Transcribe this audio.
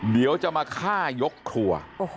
เดี๋ยวจะมาฆ่ายกครัว